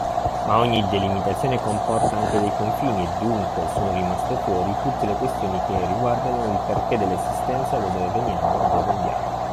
Ma ogni delimitazione comporta anche dei confini e dunque sono “rimaste fuori” tutte le questioni che riguardano il perché dell’esistenza, da dove veniamo, dove andiamo.